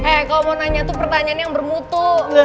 eh kalau mau nanya tuh pertanyaan yang bermutu